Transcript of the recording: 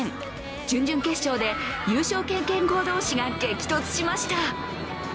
準々決勝で優勝経験校同士が激突しました。